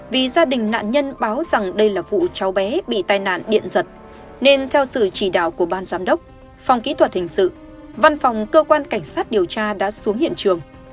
vì gia đình nạn nhân báo rằng đây là vụ cháu bé bị tai nạn điện giật nên theo sự chỉ đạo của ban giám đốc phòng kỹ thuật hình sự văn phòng cơ quan cảnh sát điều tra đã xuống hiện trường